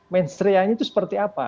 mensreanya itu seperti apa